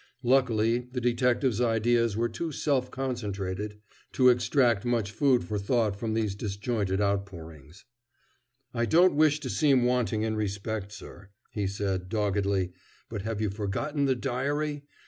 Luckily, the detective's ideas were too self concentrated to extract much food for thought from these disjointed outpourings. "I don't wish to seem wanting in respect, sir," he said doggedly, "but have you forgotten the diary?